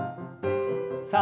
さあ